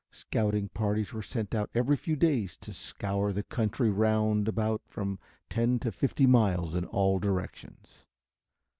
Scouting parties were sent out every few days to scour the country round about from ten to fifty miles in all directions.